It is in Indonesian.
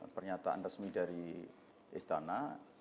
pernyataan resmi dari istana